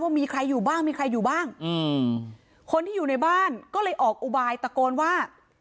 มีใครอยู่บ้างมีใครอยู่บ้างอืมคนที่อยู่ในบ้านก็เลยออกอุบายตะโกนว่า